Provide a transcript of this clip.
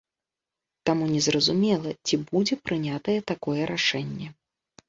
Таму незразумела, ці будзе прынятае такое рашэнне.